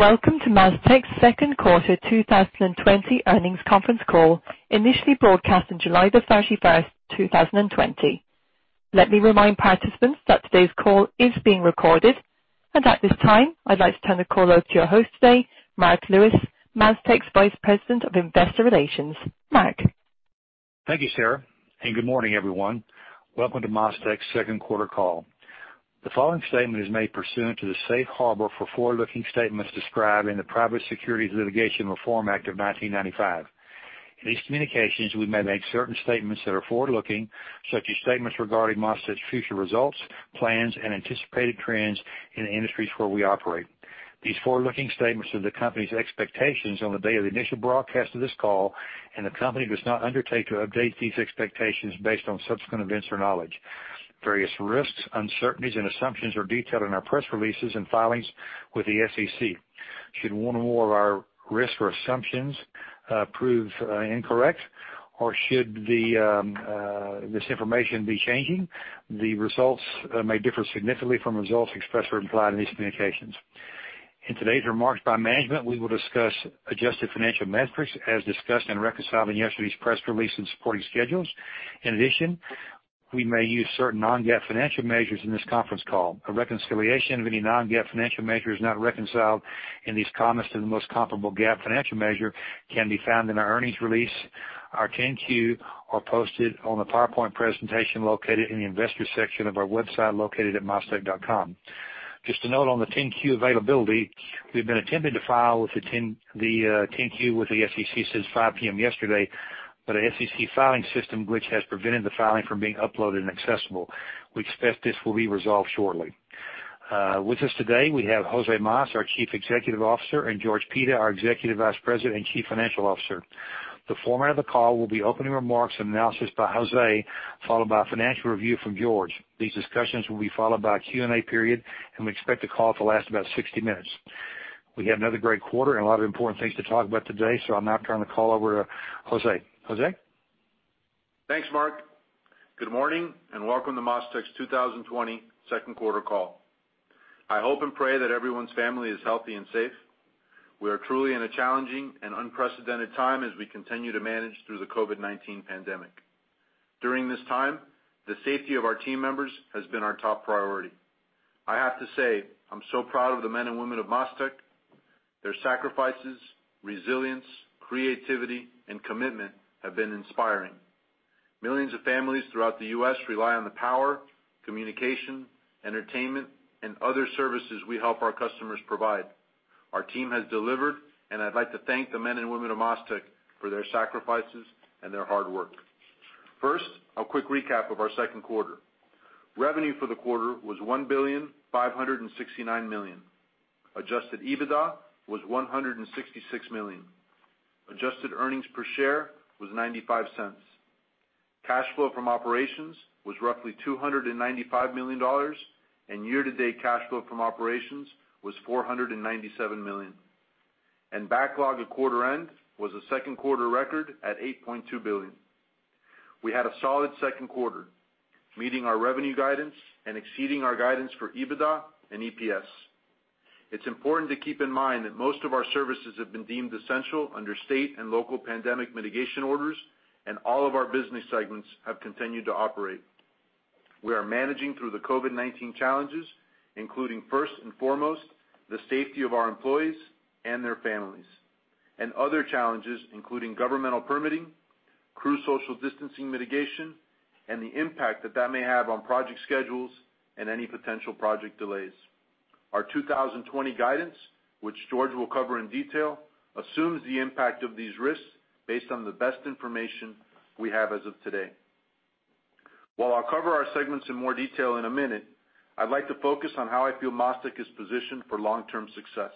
Welcome to MasTec's second quarter 2020 earnings conference call, initially broadcast on July the 31st, 2020. Let me remind participants that today's call is being recorded. At this time, I'd like to turn the call over to your host today, Marc Lewis, MasTec's Vice President of Investor Relations. Marc? Thank you, Sarah, good morning, everyone. Welcome to MasTec's second quarter call. The following statement is made pursuant to the safe harbor for forward-looking statements described in the Private Securities Litigation Reform Act of 1995. In these communications, we may make certain statements that are forward-looking, such as statements regarding MasTec's future results, plans, and anticipated trends in the industries where we operate. These forward-looking statements are the company's expectations on the day of the initial broadcast of this call, and the company does not undertake to update these expectations based on subsequent events or knowledge. Various risks, uncertainties, and assumptions are detailed in our press releases and filings with the SEC. Should one or more of our risks or assumptions prove incorrect, or should this information be changing, the results may differ significantly from the results expressed or implied in these communications. In today's remarks by management, we will discuss adjusted financial metrics, as discussed and reconciling yesterday's press release and supporting schedules. We may use certain non-GAAP financial measures in this conference call. A reconciliation of any non-GAAP financial measure is not reconciled in these comments to the most comparable GAAP financial measure can be found in our earnings release, our 10-Q, or posted on the PowerPoint presentation located in the Investors section of our website, located at mastec.com. Just a note on the 10-Q availability, we've been attempting to file with. The 10-Q with the SEC since 5:00 P.M. yesterday, an SEC filing system glitch has prevented the filing from being uploaded and accessible. We expect this will be resolved shortly. With us today, we have José Mas, our Chief Executive Officer, and George Pita, our Executive Vice President and Chief Financial Officer. The format of the call will be opening remarks and analysis by José, followed by a financial review from George. These discussions will be followed by a Q&A period, we expect the call to last about 60 minutes. We had another great quarter and a lot of important things to talk about today, I'll now turn the call over to José. José? Thanks, Marc. Good morning, and welcome to MasTec's 2020 second quarter call. I hope and pray that everyone's family is healthy and safe. We are truly in a challenging and unprecedented time as we continue to manage through the COVID-19 pandemic. During this time, the safety of our team members has been our top priority. I have to say, I'm so proud of the men and women of MasTec. Their sacrifices, resilience, creativity, and commitment have been inspiring. Millions of families throughout the U.S. rely on the power, communication, entertainment, and other services we help our customers provide. Our team has delivered, and I'd like to thank the men and women of MasTec for their sacrifices and their hard work. First, a quick recap of our second quarter. Revenue for the quarter was $1.569 billion. Adjusted EBITDA was $166 million. Adjusted earnings per share was $0.95. Cash flow from operations was roughly $295 million, and year-to-date cash flow from operations was $497 million. Backlog at quarter end was a second quarter record at $8.2 billion. We had a solid second quarter, meeting our revenue guidance and exceeding our guidance for EBITDA and EPS. It's important to keep in mind that most of our services have been deemed essential under state and local pandemic mitigation orders, and all of our business segments have continued to operate. We are managing through the COVID-19 challenges, including first and foremost, the safety of our employees and their families, and other challenges, including governmental permitting, crew social distancing mitigation, and the impact that that may have on project schedules and any potential project delays. Our 2020 guidance, which George will cover in detail, assumes the impact of these risks based on the best information we have as of today. While I'll cover our segments in more detail in a minute, I'd like to focus on how I feel MasTec is positioned for long-term success.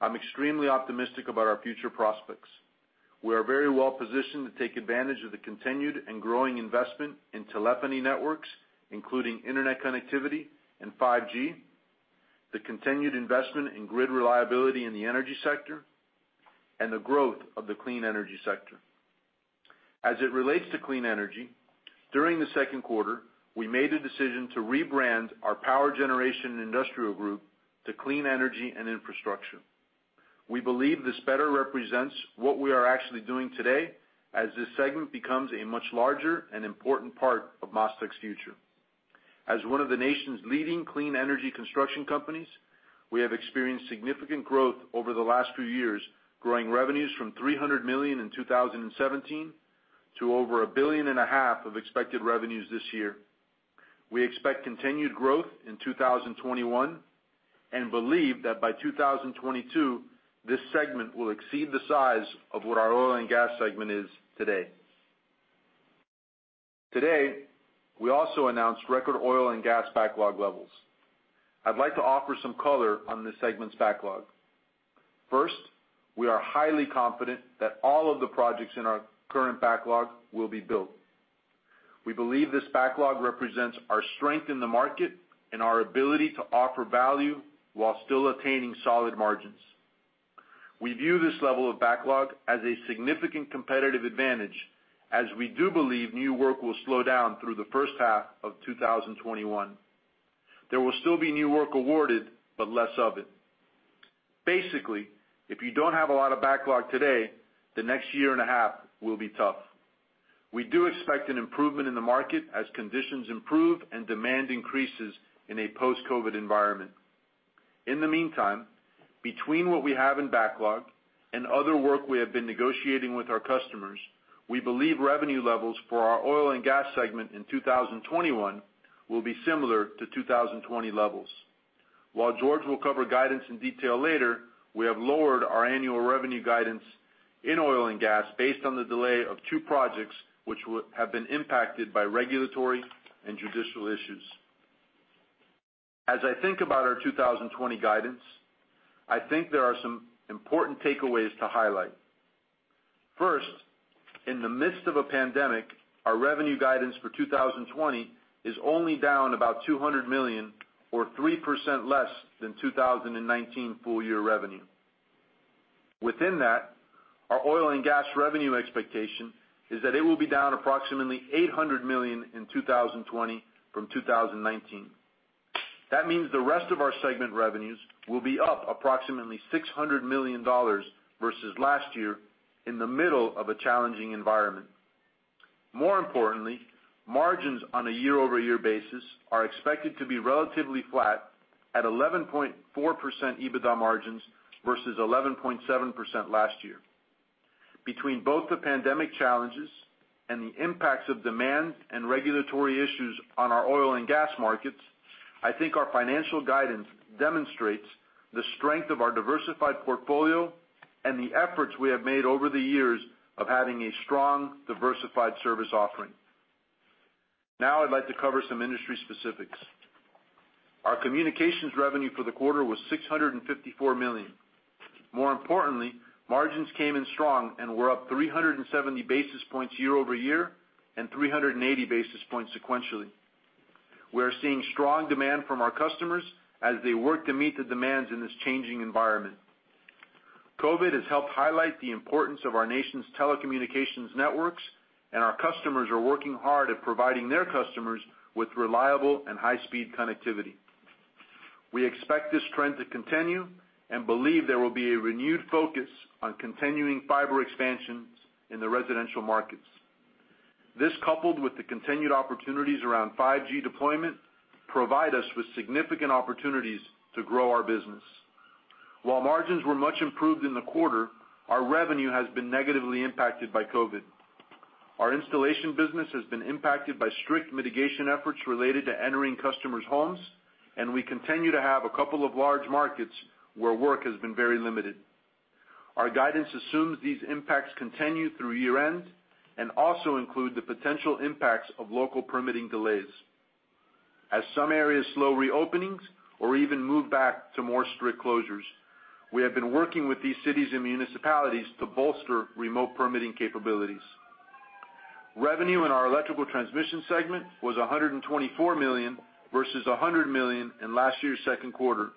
I'm extremely optimistic about our future prospects. We are very well positioned to take advantage of the continued and growing investment in telephony networks, including internet connectivity and 5G, the continued investment in grid reliability in the energy sector, and the growth of the clean energy sector. As it relates to clean energy, during the second quarter, we made a decision to rebrand our power generation and industrial group to clean energy and infrastructure. We believe this better represents what we are actually doing today, as this segment becomes a much larger and important part of MasTec's future. As one of the nation's leading clean energy construction companies, we have experienced significant growth over the last few years, growing revenues from $300 million in 2017, to over $1.5 billion of expected revenues this year. We expect continued growth in 2021, and believe that by 2022, this segment will exceed the size of what our oil and gas segment is today. Today, we also announced record oil and gas backlog levels. I'd like to offer some color on this segment's backlog. First, we are highly confident that all of the projects in our current backlog will be built. We believe this backlog represents our strength in the market and our ability to offer value while still attaining solid margins. We view this level of backlog as a significant competitive advantage, as we do believe new work will slow down through the first half of 2021. There will still be new work awarded, but less of it. Basically, if you don't have a lot of backlog today, the next year and a half will be tough. We do expect an improvement in the market as conditions improve and demand increases in a post-COVID environment. In the meantime, between what we have in backlog and other work we have been negotiating with our customers, we believe revenue levels for our oil and gas segment in 2021 will be similar to 2020 levels. While George will cover guidance in detail later, we have lowered our annual revenue guidance in oil and gas based on the delay of two projects, which would have been impacted by regulatory and judicial issues. I think about our 2020 guidance, I think there are some important takeaways to highlight. First, in the midst of a pandemic, our revenue guidance for 2020 is only down about $200 million or 3% less than 2019 full year revenue. Within that, our oil and gas revenue expectation is that it will be down approximately $800 million in 2020 from 2019. This means the rest of our segment revenues will be up approximately $600 million versus last year in the middle of a challenging environment. More importantly, margins on a year-over-year basis are expected to be relatively flat at 11.4% EBITDA margins versus 11.7% last year. Between both the pandemic challenges and the impacts of demand and regulatory issues on our oil and gas markets, I think our financial guidance demonstrates the strength of our diversified portfolio and the efforts we have made over the years of having a strong, diversified service offering. Now, I'd like to cover some industry specifics. Our communications revenue for the quarter was $654 million. More importantly, margins came in strong and were up 370 basis points year-over-year and 380 basis points sequentially. We are seeing strong demand from our customers as they work to meet the demands in this changing environment. COVID has helped highlight the importance of our nation's telecommunications networks. Our customers are working hard at providing their customers with reliable and high-speed connectivity. We expect this trend to continue and believe there will be a renewed focus on continuing fiber expansions in the residential markets. This, coupled with the continued opportunities around 5G deployment, provide us with significant opportunities to grow our business. While margins were much improved in the quarter, our revenue has been negatively impacted by COVID. Our installation business has been impacted by strict mitigation efforts related to entering customers' homes, and we continue to have a couple of large markets where work has been very limited. Our guidance assumes these impacts continue through year-end and also include the potential impacts of local permitting delays. As some areas slow reopenings or even move back to more strict closures, we have been working with these cities and municipalities to bolster remote permitting capabilities. Revenue in our electrical transmission segment was $124 million versus $100 million in last year's second quarter.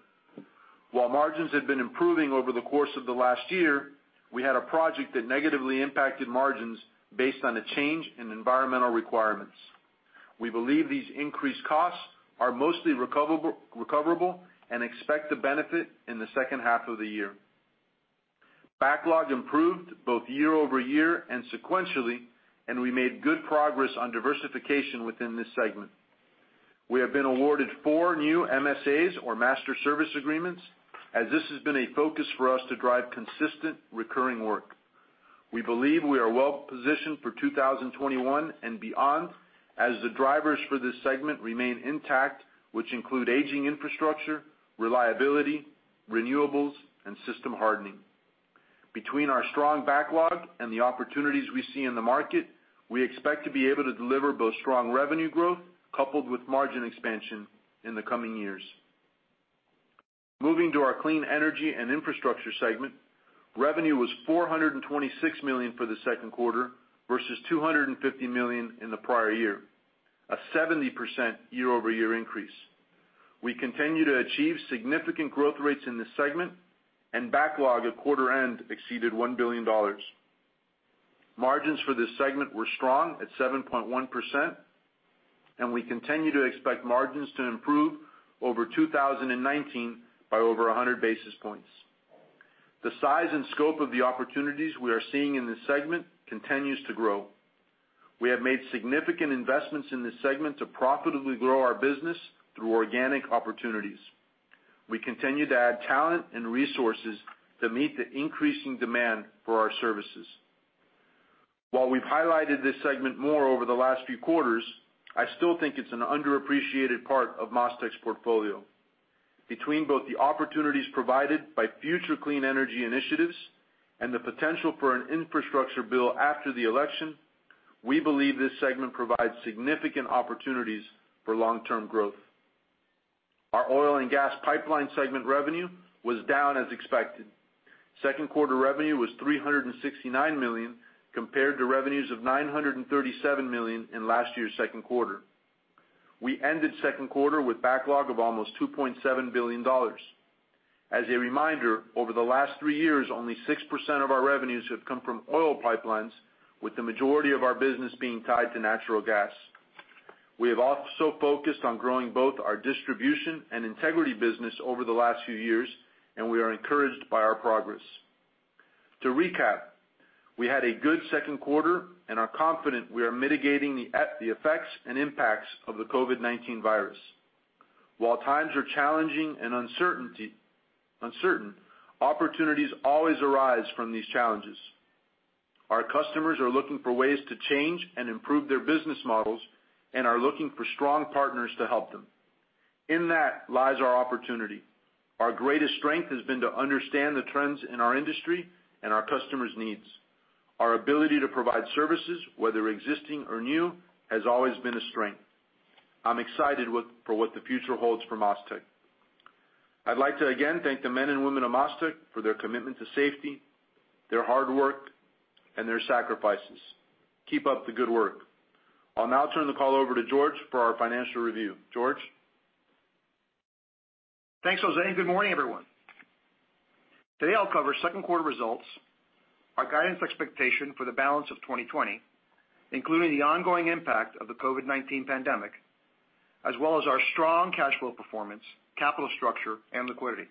While margins had been improving over the course of the last year, we had a project that negatively impacted margins based on a change in environmental requirements. We believe these increased costs are mostly recoverable and expect to benefit in the second half of the year. Backlog improved both year-over-year and sequentially. We made good progress on diversification within this segment. We have been awarded four new MSAs or master service agreements, as this has been a focus for us to drive consistent, recurring work. We believe we are well positioned for 2021 and beyond, as the drivers for this segment remain intact, which include aging infrastructure, reliability, renewables, and system hardening. Between our strong backlog and the opportunities we see in the market, we expect to be able to deliver both strong revenue growth coupled with margin expansion in the coming years. Moving to our clean energy and infrastructure segment, revenue was $426 million for the second quarter versus $250 million in the prior year, a 70% year-over-year increase. We continue to achieve significant growth rates in this segment, backlog at quarter end exceeded $1 billion. Margins for this segment were strong at 7.1%, we continue to expect margins to improve over 2019 by over 100 basis points. The size and scope of the opportunities we are seeing in this segment continues to grow. We have made significant investments in this segment to profitably grow our business through organic opportunities. We continue to add talent and resources to meet the increasing demand for our services. While we've highlighted this segment more over the last few quarters, I still think it's an underappreciated part of MasTec's portfolio. Between both the opportunities provided by future clean energy initiatives and the potential for an infrastructure bill after the election, we believe this segment provides significant opportunities for long-term growth. Our oil and gas pipeline segment revenue was down as expected. Second quarter revenue was $369 million, compared to revenues of $937 million in last year's second quarter. We ended second quarter with backlog of almost $2.7 billion. As a reminder, over the last three years, only 6% of our revenues have come from oil pipelines, with the majority of our business being tied to natural gas. We have also focused on growing both our distribution and integrity business over the last few years. We are encouraged by our progress. To recap, we had a good second quarter. We are confident we are mitigating the effects and impacts of the COVID-19 virus. While times are challenging and uncertain, opportunities always arise from these challenges. Our customers are looking for ways to change and improve their business models and are looking for strong partners to help them. In that lies our opportunity. Our greatest strength has been to understand the trends in our industry and our customers' needs. Our ability to provide services, whether existing or new, has always been a strength. I'm excited for what the future holds for MasTec. I'd like to again thank the men and women of MasTec for their commitment to safety, their hard work, and their sacrifices. Keep up the good work. I'll now turn the call over to George for our financial review. George? Thanks, José, and good morning, everyone. Today, I'll cover second quarter results, our guidance expectation for the balance of 2020, including the ongoing impact of the COVID-19 pandemic, as well as our strong cash flow performance, capital structure, and liquidity.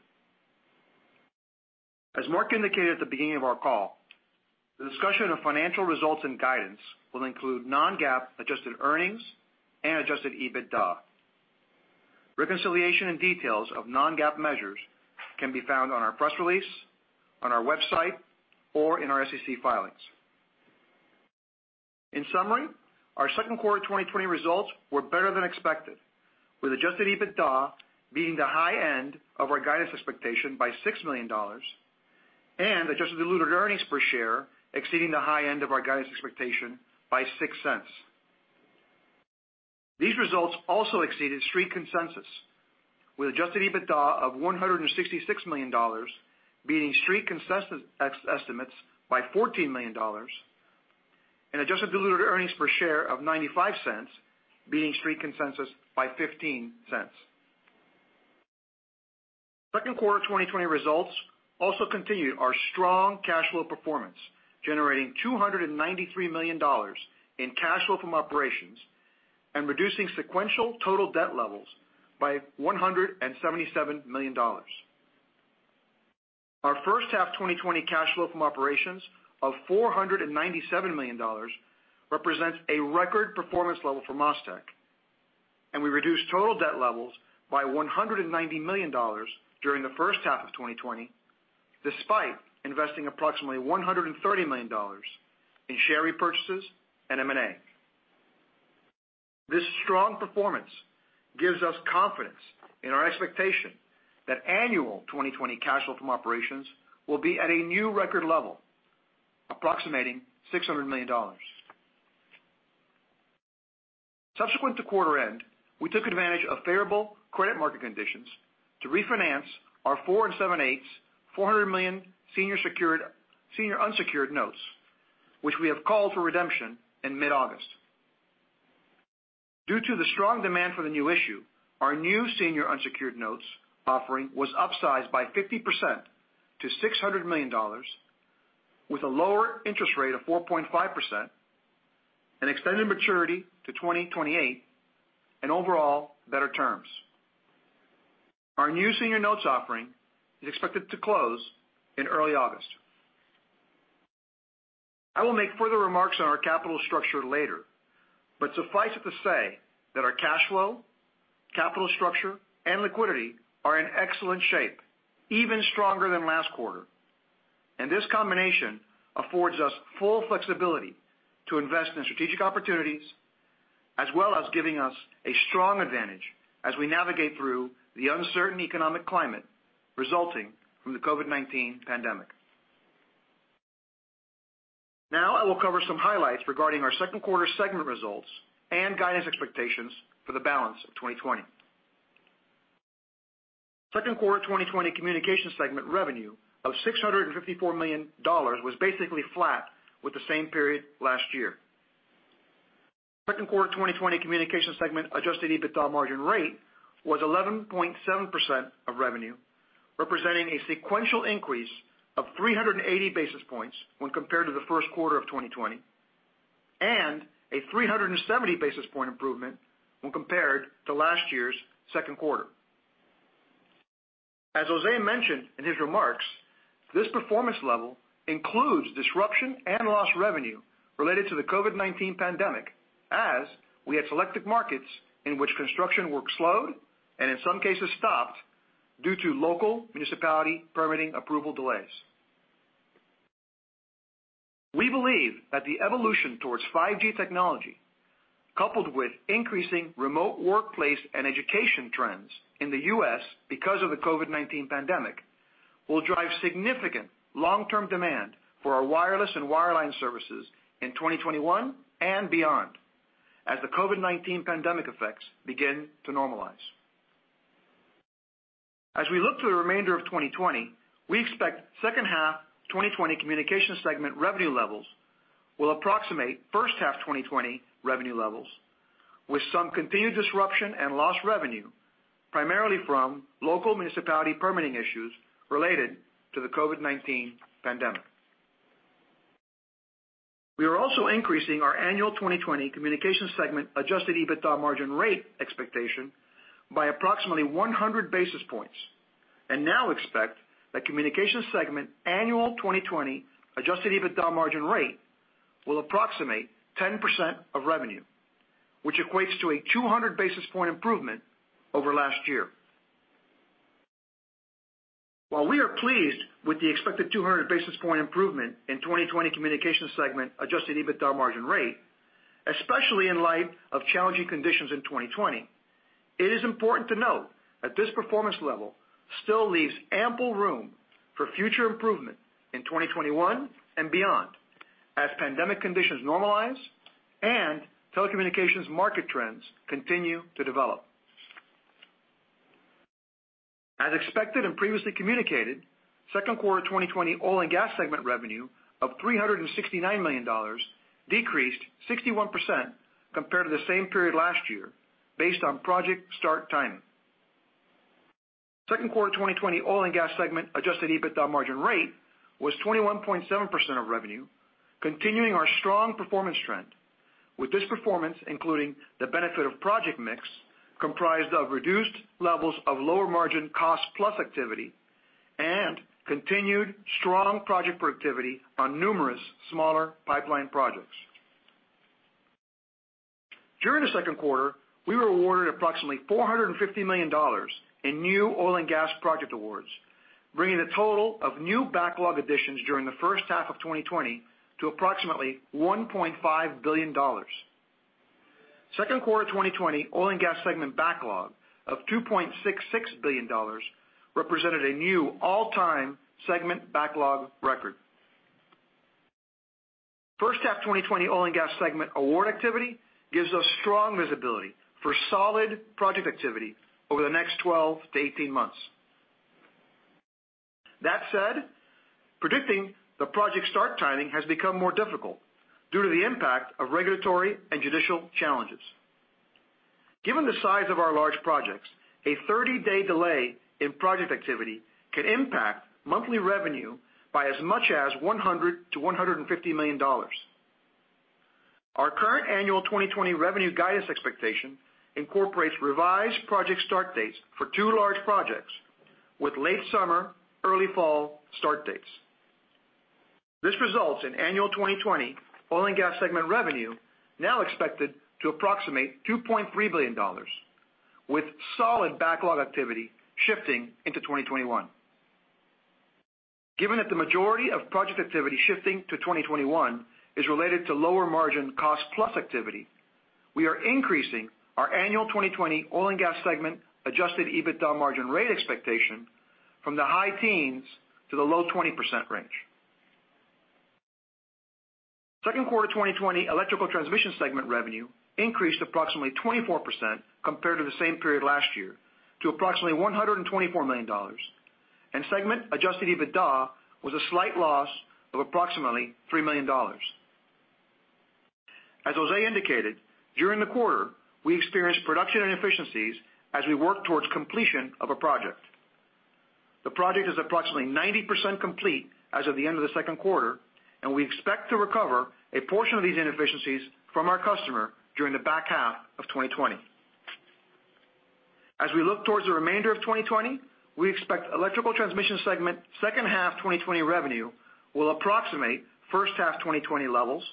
As Marc indicated at the beginning of our call, the discussion of financial results and guidance will include non-GAAP adjusted earnings and adjusted EBITDA. Reconciliation and details of non-GAAP measures can be found on our press release, on our website, or in our SEC filings. In summary, our second quarter 2020 results were better than expected, with adjusted EBITDA beating the high end of our guidance expectation by $6 million and adjusted diluted earnings per share exceeding the high end of our guidance expectation by $0.06. These results also exceeded Street consensus, with adjusted EBITDA of $166 million, beating Street consensus ex- estimates by $14 million, and adjusted diluted earnings per share of $0.95, beating Street consensus by $0.15. Second quarter 2020 results also continued our strong cash flow performance, generating $293 million in cash flow from operations and reducing sequential total debt levels by $177 million. Our first half 2020 cash flow from operations of $497 million represents a record performance level for MasTec, we reduced total debt levels by $190 million during the first half of 2020, despite investing approximately $130 million in share repurchases and M&A. This strong performance gives us confidence in our expectation that annual 2020 cash flow from operations will be at a new record level, approximating $600 million. Subsequent to quarter end, we took advantage of favorable credit market conditions to refinance our four and 7/8, $400 million senior unsecured notes, which we have called for redemption in mid-August. Due to the strong demand for the new issue, our new senior unsecured notes offering was upsized by 50% to $600 million, with a lower interest rate of 4.5%, an extended maturity to 2028, and overall better terms. Our new senior notes offering is expected to close in early August. I will make further remarks on our capital structure later, but suffice it to say that our cash flow, capital structure, and liquidity are in excellent shape, even stronger than last quarter. This combination affords us full flexibility to invest in strategic opportunities, as well as giving us a strong advantage as we navigate through the uncertain economic climate resulting from the COVID-19 pandemic. Now, I will cover some highlights regarding our second quarter segment results and guidance expectations for the balance of 2020. Second quarter 2020 communication segment revenue of $654 million was basically flat with the same period last year. Second quarter 2020 communication segment adjusted EBITDA margin rate was 11.7% of revenue, representing a sequential increase of 380 basis points when compared to the first quarter of 2020, and a 370 basis point improvement when compared to last year's second quarter. As José mentioned in his remarks, this performance level includes disruption and lost revenue related to the COVID-19 pandemic, as we had selected markets in which construction work slowed, and in some cases stopped, due to local municipality permitting approval delays. We believe that the evolution towards 5G technology, coupled with increasing remote workplace and education trends in the U.S. because of the COVID-19 pandemic, will drive significant long-term demand for our wireless and wireline services in 2021 and beyond, as the COVID-19 pandemic effects begin to normalize. As we look to the remainder of 2020, we expect second half 2020 Communication segment revenue levels will approximate first half 2020 revenue levels, with some continued disruption and lost revenue, primarily from local municipality permitting issues related to the COVID-19 pandemic. We are also increasing our annual 2020 Communication segment adjusted EBITDA margin rate expectation by approximately 100 basis points, now expect the Communication segment annual 2020 adjusted EBITDA margin rate will approximate 10% of revenue, which equates to a 200 basis point improvement over last year. While we are pleased with the expected 200 basis point improvement in 2020 Communication segment adjusted EBITDA margin rate, especially in light of challenging conditions in 2020, it is important to note that this performance level still leaves ample room for future improvement in 2021 and beyond, as pandemic conditions normalize and telecommunications market trends continue to develop. As expected and previously communicated, second quarter 2020 Oil and Gas segment revenue of $369 million decreased 61% compared to the same period last year based on project start timing. Second quarter 2020 Oil and Gas segment adjusted EBITDA margin rate was 21.7% of revenue, continuing our strong performance trend. With this performance, including the benefit of project mix, comprised of reduced levels of lower margin cost-plus activity and continued strong project productivity on numerous smaller pipeline projects. During the second quarter, we were awarded approximately $450 million in new oil and gas project awards, bringing the total of new backlog additions during the first half of 2020 to approximately $1.5 billion. Second quarter 2020 Oil and Gas segment backlog of $2.66 billion represented a new all-time segment backlog record. First half 2020 Oil and Gas segment award activity gives us strong visibility for solid project activity over the next 12-18 months. That said, predicting the project start timing has become more difficult due to the impact of regulatory and judicial challenges. Given the size of our large projects, a 30-day delay in project activity can impact monthly revenue by as much as $100 million-$150 million. Our current annual 2020 revenue guidance expectation incorporates revised project start dates for two large projects, with late summer, early fall start dates. This results in annual 2020 Oil and Gas segment revenue now expected to approximate $2.3 billion, with solid backlog activity shifting into 2021. Given that the majority of project activity shifting to 2021 is related to lower margin cost-plus activity, we are increasing our annual 2020 Oil and Gas segment adjusted EBITDA margin rate expectation from the high teens to the low 20% range. Second quarter 2020 Electrical Transmission segment revenue increased approximately 24% compared to the same period last year, to approximately $124 million. Segment adjusted EBITDA was a slight loss of approximately $3 million. As José indicated, during the quarter, we experienced production inefficiencies as we work towards completion of a project. The project is approximately 90% complete as of the end of the second quarter. We expect to recover a portion of these inefficiencies from our customer during the back half of 2020. As we look towards the remainder of 2020, we expect Electrical Transmission segment second half 2020 revenue will approximate first half 2020 levels,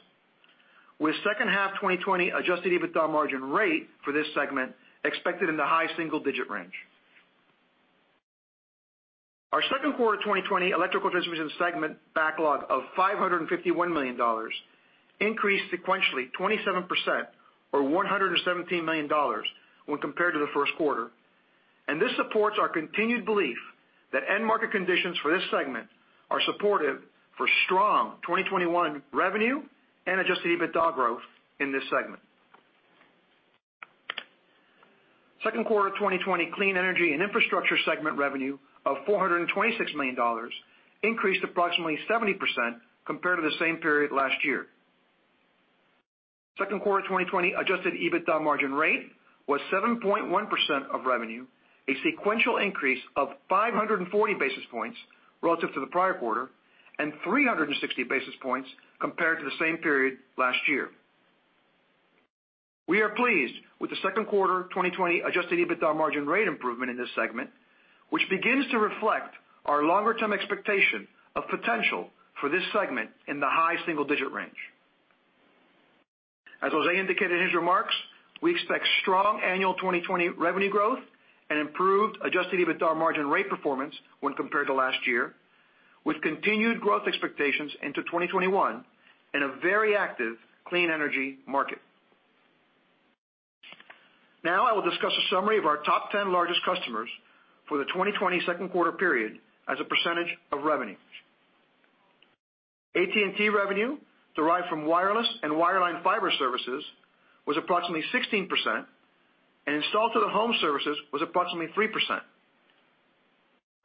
with second half 2020 adjusted EBITDA margin rate for this segment expected in the high single digit range. Our second quarter 2020 Electrical Transmission segment backlog of $551 million increased sequentially 27%, or $117 million, when compared to the first quarter. This supports our continued belief that end market conditions for this segment are supportive for strong 2021 revenue and adjusted EBITDA growth in this segment. Second quarter 2020 Clean Energy and Infrastructure segment revenue of $426 million increased approximately 70% compared to the same period last year. Second quarter 2020 adjusted EBITDA margin rate was 7.1% of revenue, a sequential increase of 540 basis points relative to the prior quarter, and 360 basis points compared to the same period last year. We are pleased with the second quarter 2020 adjusted EBITDA margin rate improvement in this segment, which begins to reflect our longer-term expectation of potential for this segment in the high single digit range. As José indicated in his remarks, we expect strong annual 2020 revenue growth and improved adjusted EBITDA margin rate performance when compared to last year, with continued growth expectations into 2021 in a very active clean energy market. I will discuss a summary of our top 10 largest customers for the 2020 second quarter period as a percentage of revenue. AT&T revenue derived from wireless and wireline fiber services was approximately 16%, and installed to the home services was approximately 3%.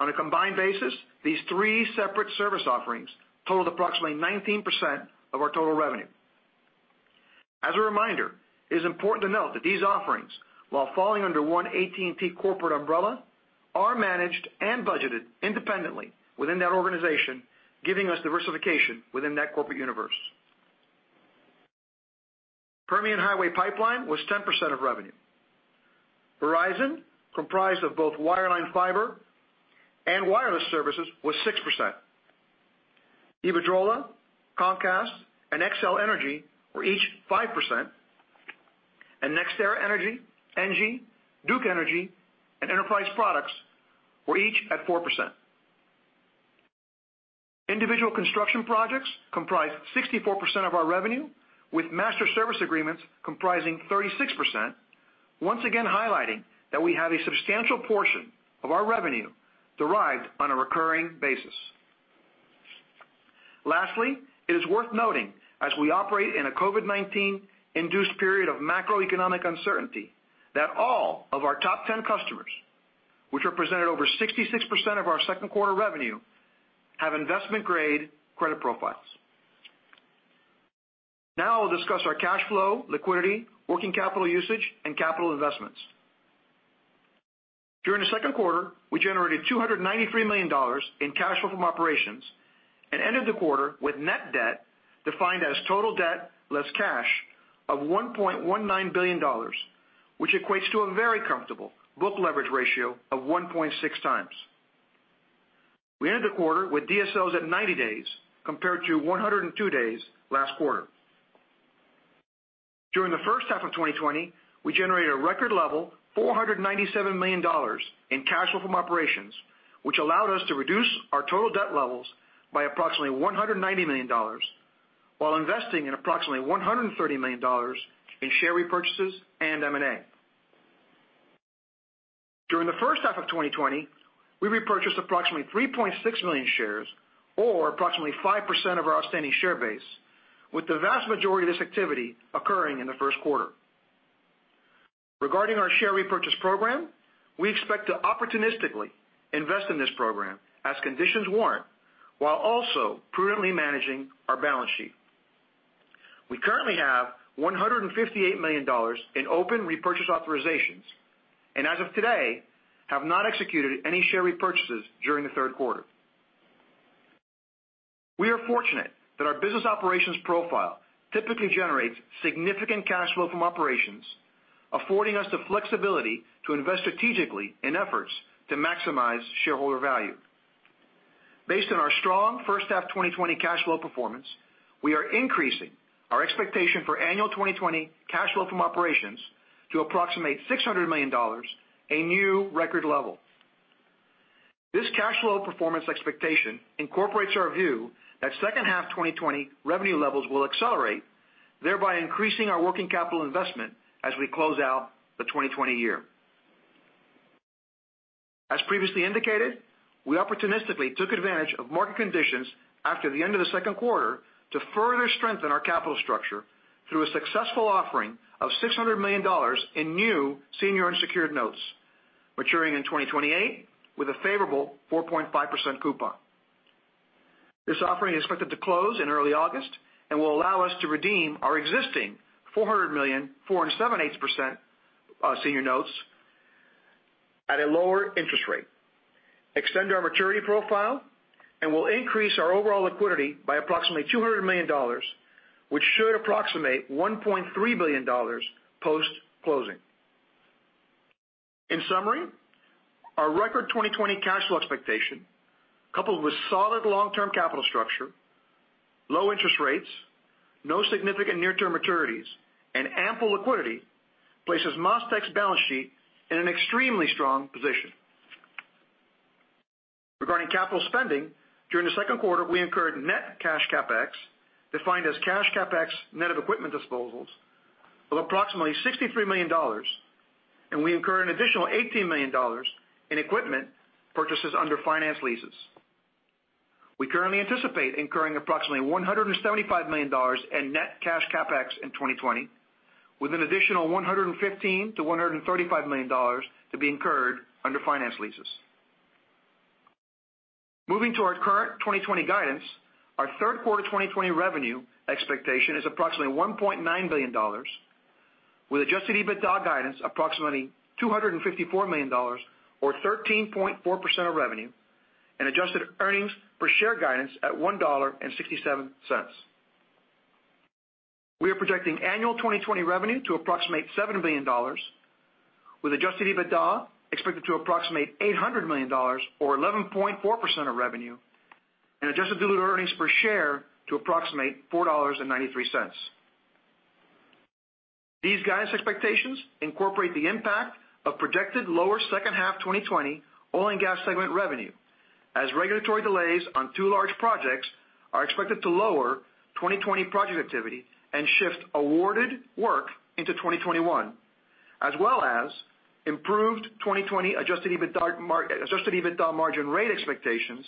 On a combined basis, these three separate service offerings totaled approximately 19% of our total revenue. As a reminder, it is important to note that these offerings, while falling under one AT&T corporate umbrella, are managed and budgeted independently within that organization, giving us diversification within that corporate universe. Permian Highway Pipeline was 10% of revenue. Verizon, comprised of both wireline fiber and wireless services, was 6%. Iberdrola, Comcast, and Xcel Energy were each 5%. NextEra Energy, Engie, Duke Energy, and Enterprise Products were each at 4%. Individual construction projects comprised 64% of our revenue, with master service agreements comprising 36%. Once again, highlighting that we have a substantial portion of our revenue derived on a recurring basis. Lastly, it is worth noting, as we operate in a COVID-19 induced period of macroeconomic uncertainty, that all of our top 10 customers, which represented over 66% of our second quarter revenue, have investment-grade credit profiles. Now I'll discuss our cash flow, liquidity, working capital usage, and capital investments. During the second quarter, we generated $293 million in cash flow from operations and ended the quarter with net debt, defined as total debt less cash, of $1.19 billion, which equates to a very comfortable book leverage ratio of 1.6x. We ended the quarter with DSOs at 90 days, compared to 102 days last quarter. During the first half of 2020, we generated a record level, $497 million in cash flow from operations, which allowed us to reduce our total debt levels by approximately $190 million, while investing in approximately $130 million in share repurchases and M&A. During the first half of 2020, we repurchased approximately 3.6 million shares, or approximately 5% of our outstanding share base, with the vast majority of this activity occurring in the first quarter. Regarding our share repurchase program, we expect to opportunistically invest in this program as conditions warrant, while also prudently managing our balance sheet. We currently have $158 million in open repurchase authorizations, and as of today, have not executed any share repurchases during the third quarter. We are fortunate that our business operations profile typically generates significant cash flow from operations, affording us the flexibility to invest strategically in efforts to maximize shareholder value. Based on our strong first half 2020 cash flow performance, we are increasing our expectation for annual 2020 cash flow from operations to approximate $600 million, a new record level. This cash flow performance expectation incorporates our view that second half 2020 revenue levels will accelerate, thereby increasing our working capital investment as we close out the 2020 year. As previously indicated, we opportunistically took advantage of market conditions after the end of the second quarter to further strengthen our capital structure through a successful offering of $600 million in new senior unsecured notes, maturing in 2028 with a favorable 4.5% coupon. This offering is expected to close in early August and will allow us to redeem our existing $400 million, 4% and 7/8% senior notes at a lower interest rate, extend our maturity profile, and will increase our overall liquidity by approximately $200 million, which should approximate $1.3 billion post-closing. In summary, our record 2020 cash flow expectation, coupled with solid long-term capital structure, low interest rates, no significant near-term maturities, and ample liquidity, places MasTec's balance sheet in an extremely strong position. Regarding capital spending, during the second quarter, we incurred net cash CapEx, defined as cash CapEx net of equipment disposals, of approximately $63 million, and we incurred an additional $18 million in equipment purchases under finance leases. We currently anticipate incurring approximately $175 million in net cash CapEx in 2020, with an additional $115 million-$135 million to be incurred under finance leases. Moving to our current 2020 guidance, our third quarter 2020 revenue expectation is approximately $1.9 billion, with adjusted EBITDA guidance approximately $254 million or 13.4% of revenue, and adjusted earnings per share guidance at $1.67. We are projecting annual 2020 revenue to approximate $7 billion, with adjusted EBITDA expected to approximate $800 million or 11.4% of revenue, and adjusted diluted earnings per share to approximate $4.93. These guidance expectations incorporate the impact of projected lower second half 2020 oil and gas segment revenue, as regulatory delays on two large projects are expected to lower 2020 project activity and shift awarded work into 2021 as well as improved 2020 adjusted EBITDA margin rate expectations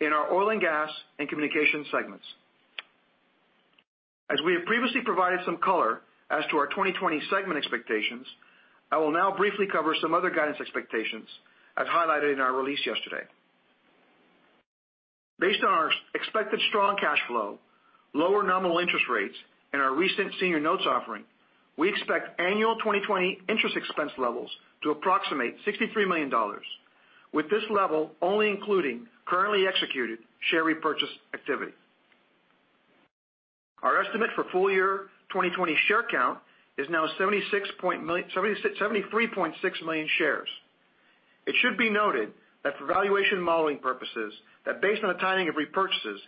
in our oil and gas and communication segments. As we have previously provided some color as to our 2020 segment expectations, I will now briefly cover some other guidance expectations as highlighted in our release yesterday. Based on our expected strong cash flow, lower nominal interest rates and our recent senior notes offering, we expect annual 2020 interest expense levels to approximate $63 million, with this level only including currently executed share repurchase activity. Our estimate for full year 2020 share count is now 76.0 million, 76, 73.6 million shares. It should be noted that for valuation modeling purposes, that based on the timing of repurchases,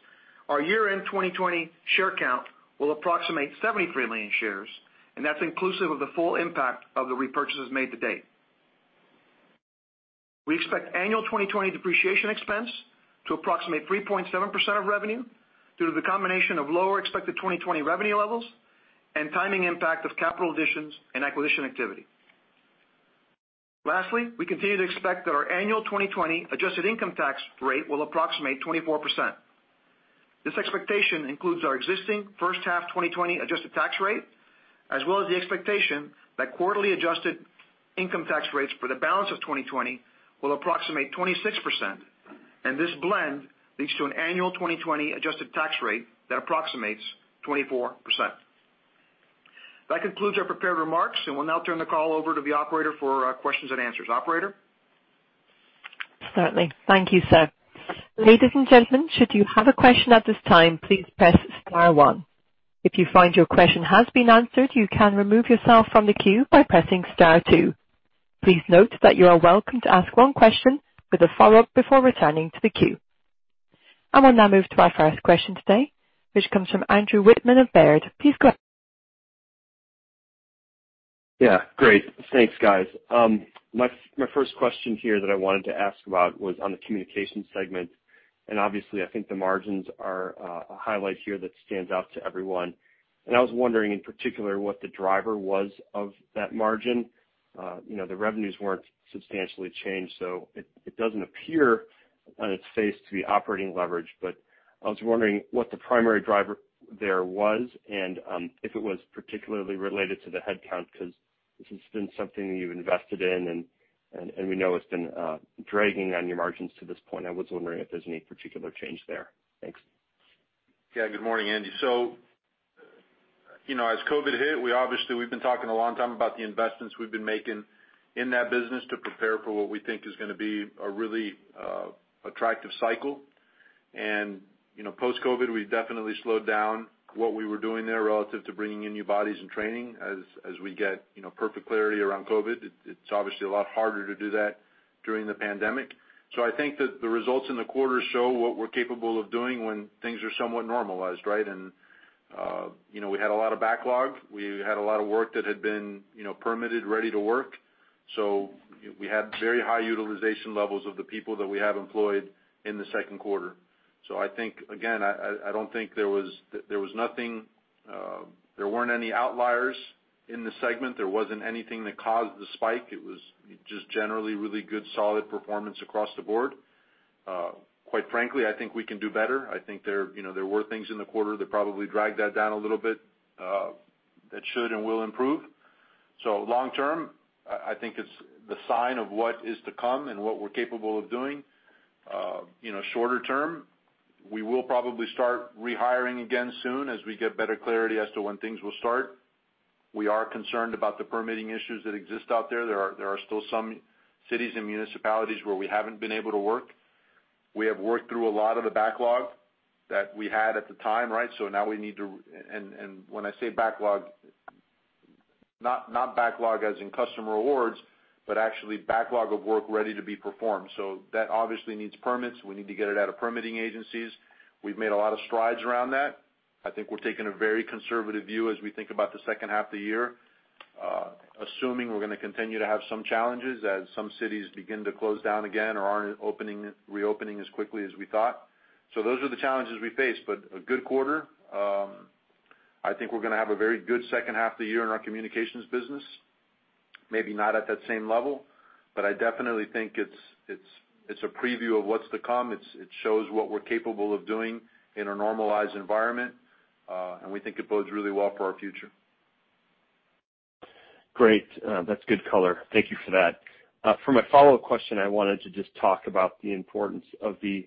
our year-end 2020 share count will approximate 73 million shares, and that's inclusive of the full impact of the repurchases made to date. We expect annual 2020 depreciation expense to approximate 3.7% of revenue due to the combination of lower expected 2020 revenue levels and timing impact of capital additions and acquisition activity. Lastly, we continue to expect that our annual 2020 adjusted income tax rate will approximate 24%. This expectation includes our existing first half 2020 adjusted tax rate, as well as the expectation that quarterly adjusted income tax rates for the balance of 2020 will approximate 26%. This blend leads to an annual 2020 adjusted tax rate that approximates 24%. That concludes our prepared remarks, and we'll now turn the call over to the operator for questions and answers. Operator? Certainly. Thank you, sir. Ladies and gentlemen, should you have a question at this time, please press star one. If you find your question has been answered, you can remove yourself from the queue by pressing star two. Please note that you are welcome to ask one question with a follow-up before returning to the queue. I will now move to our first question today, which comes from Andrew Wittmann of Baird. Please go ahead. Yeah, great. Thanks, guys. My first question here that I wanted to ask about was on the communication segment, and obviously, I think the margins are a highlight here that stands out to everyone. I was wondering, in particular, what the driver was of that margin. You know, the revenues weren't substantially changed, so it doesn't appear on its face to be operating leverage. I was wondering what the primary driver there was, and if it was particularly related to the headcount, because this has been something you've invested in, and we know it's been dragging on your margins to this point. I was wondering if there's any particular change there. Thanks. Yeah. Good morning, Andy. You know, as COVID hit, we obviously, we've been talking a long time about the investments we've been making in that business to prepare for what we think is gonna be a really attractive cycle. You know, post-COVID, we've definitely slowed down what we were doing there relative to bringing in new bodies and training as we get, you know, perfect clarity around COVID. It's obviously a lot harder to do that during the pandemic. I think that the results in the quarter show what we're capable of doing when things are somewhat normalized, right? You know, we had a lot of backlog. We had a lot of work that had been, you know, permitted, ready to work. We had very high utilization levels of the people that we have employed in the second quarter. I think, again, I don't think there was nothing, there weren't any outliers in the segment. There wasn't anything that caused the spike. It was just generally really good, solid performance across the board. Quite frankly, I think we can do better. I think there, you know, there were things in the quarter that probably dragged that down a little bit, that should and will improve. Long term, I think it's the sign of what is to come and what we're capable of doing. You know, shorter term, we will probably start rehiring again soon as we get better clarity as to when things will start. We are concerned about the permitting issues that exist out there. There are still some cities and municipalities where we haven't been able to work. We have worked through a lot of the backlog that we had at the time, right? Now we need to. When I say backlog, not backlog as in customer awards, but actually backlog of work ready to be performed. That obviously needs permits. We need to get it out of permitting agencies. We've made a lot of strides around that. I think we're taking a very conservative view as we think about the second half of the year, assuming we're gonna continue to have some challenges as some cities begin to close down again or aren't opening, reopening as quickly as we thought. Those are the challenges we face, but a good quarter. I think we're gonna have a very good second half of the year in our communications business. Maybe not at that same level, I definitely think it's a preview of what's to come. It shows what we're capable of doing in a normalized environment, we think it bodes really well for our future. Great. That's good color. Thank you for that. For my follow-up question, I wanted to just talk about the importance of the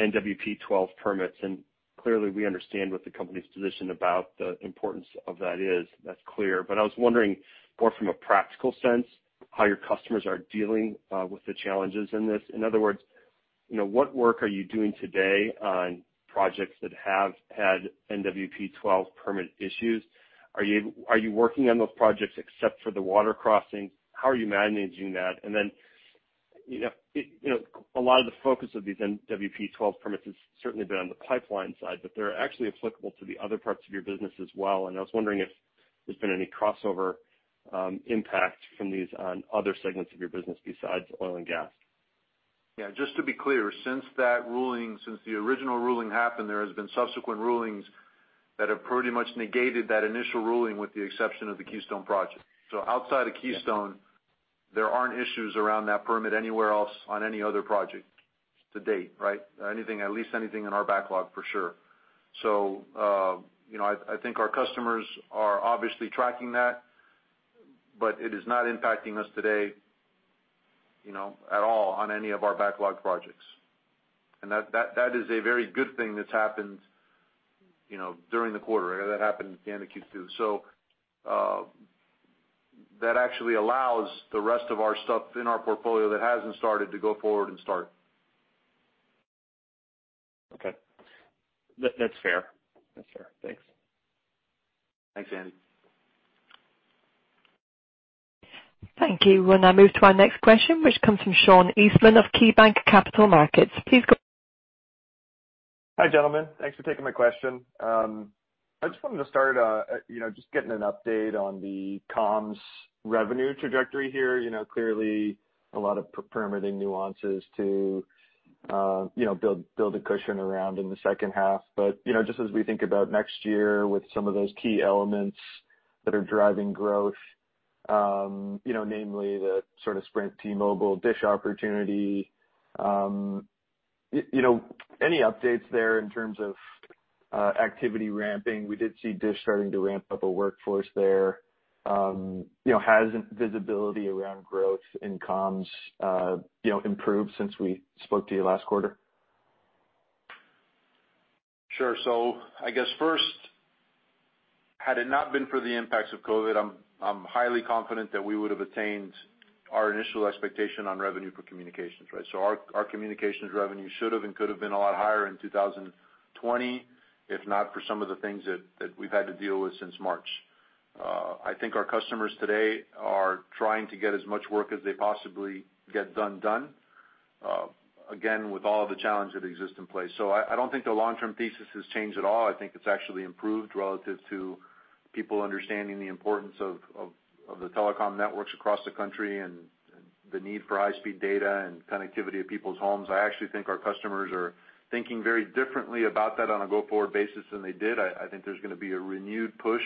NWP-12 permits. Clearly, we understand what the company's position about the importance of that is. That's clear. I was wondering, more from a practical sense, how your customers are dealing with the challenges in this. In other words, you know, what work are you doing today on projects that have had NWP-12 permit issues? Are you working on those projects except for the water crossings? How are you managing that? Then, you know, it, you know, a lot of the focus of these NWP-12 permits has certainly been on the pipeline side, but they're actually applicable to the other parts of your business as well. I was wondering if there's been any crossover, impact from these on other segments of your business besides oil and gas? Yeah, just to be clear, since that ruling, since the original ruling happened, there has been subsequent rulings that have pretty much negated that initial ruling, with the exception of the Keystone project. Outside of Keystone, there aren't issues around that permit anywhere else on any other project to date, right? Anything, at least anything in our backlog, for sure. you know, I think our customers are obviously tracking that, but it is not impacting us today, you know, at all on any of our backlog projects. That, that is a very good thing that's happened, you know, during the quarter. That happened at the end of Q2. that actually allows the rest of our stuff in our portfolio that hasn't started to go forward and start. Okay. That's fair. Thanks, Andy. Thank you. We'll now move to our next question, which comes from Sean Eastman of KeyBanc Capital Markets. Hi, gentlemen. Thanks for taking my question. I just wanted to start, you know, just getting an update on the comms revenue trajectory here. You know, clearly a lot of permitting nuances to, you know, build a cushion around in the second half. You know, just as we think about next year with some of those key elements that are driving growth, you know, namely the sort of Sprint, T-Mobile, Dish opportunity, you know, any updates there in terms of activity ramping? We did see Dish starting to ramp up a workforce there. You know, has visibility around growth in comms, you know, improved since we spoke to you last quarter? Sure. I guess first, had it not been for the impacts of COVID, I'm highly confident that we would have attained our initial expectation on revenue for communications, right? Our communications revenue should have and could have been a lot higher in 2020, if not for some of the things that we've had to deal with since March. I think our customers today are trying to get as much work as they possibly get done, again, with all the challenges that exist in place. I don't think the long-term thesis has changed at all. I think it's actually improved relative to people understanding the importance of the telecom networks across the country and the need for high-speed data and connectivity of people's homes. I actually think our customers are thinking very differently about that on a go-forward basis than they did. I think there's gonna be a renewed push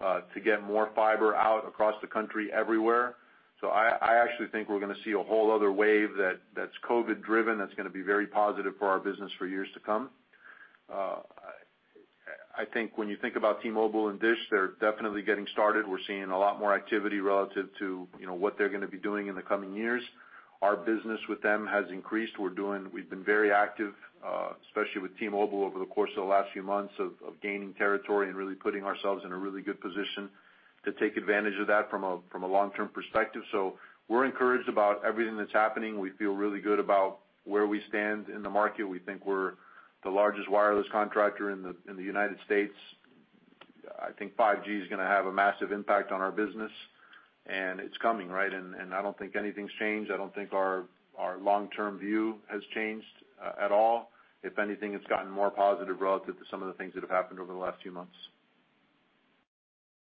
to get more fiber out across the country everywhere. I actually think we're gonna see a whole other wave that's COVID driven, that's gonna be very positive for our business for years to come. I think when you think about T-Mobile and Dish, they're definitely getting started. We're seeing a lot more activity relative to, you know, what they're gonna be doing in the coming years. Our business with them has increased. We've been very active, especially with T-Mobile, over the course of the last few months of gaining territory and really putting ourselves in a really good position to take advantage of that from a long-term perspective. We're encouraged about everything that's happening. We feel really good about where we stand in the market. We think we're the largest wireless contractor in the United States. I think 5G is gonna have a massive impact on our business, and it's coming, right? I don't think anything's changed. I don't think our long-term view has changed at all. If anything, it's gotten more positive relative to some of the things that have happened over the last few months.